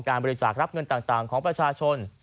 บริจาครับเงินต่างของประชาชน